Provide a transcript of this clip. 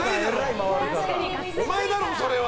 お前だろそれは！